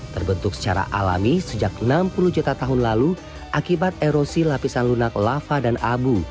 terbentuk secara alami sejak enam puluh juta tahun lalu akibat erosi lapisan lunak lava dan abu